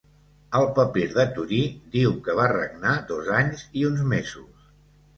El papir de Torí diu que va regnar dos anys i uns mesos.